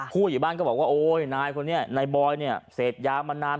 คุยบ้านก็บอกว่าโอ้ยนายคนเนี้ยในบอยร์เนี้ยเสพยามันนาน